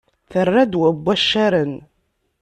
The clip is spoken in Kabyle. Terra ddwa n waccaren.